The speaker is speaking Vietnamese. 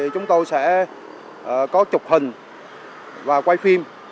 chúng tôi sẽ có chụp hình và quay phim